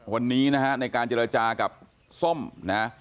วันนี้นะฮะในการเจรจากับส้มนะ